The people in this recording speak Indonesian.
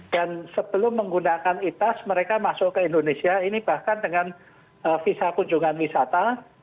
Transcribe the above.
dan sebelum menggunakan itas mereka masuk ke indonesia ini bahkan dengan visa kunjungan wisata